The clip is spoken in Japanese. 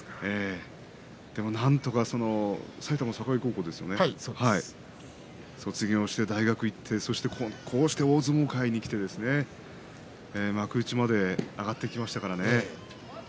でもなんとか埼玉栄高校卒業して大学に行ってこうして大相撲界に来て幕内まで上がってきましたからね。